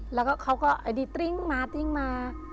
แล้วก็เขาก็ตริ้งมาตริ้งมา